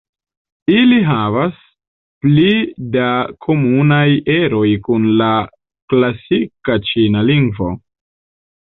Ili havas pli da komunaj eroj kun la klasika ĉina lingvo.